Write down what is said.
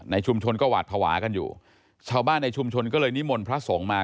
ชุมชนก็หวาดภาวะกันอยู่ชาวบ้านในชุมชนก็เลยนิมนต์พระสงฆ์มา